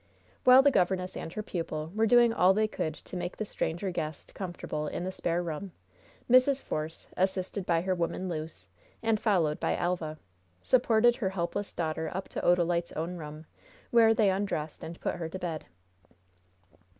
While the governess and her pupil were doing all they could to make the stranger guest comfortable in the spare room, Mrs. Force, assisted by her woman, Luce, and followed by Elva, supported her helpless daughter up to Odalite's own room, where they undressed and put her to bed.